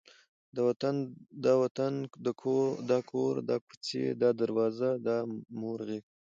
دا وطن، دا کور، دا کوڅې، دا دروازې، دا د مور غېږ،